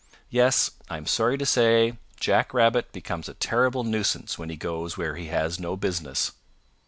Yes, I am sorry to say, Jack Rabbit becomes a terrible nuisance when he goes where he has no business.